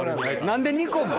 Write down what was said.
何で２個も⁉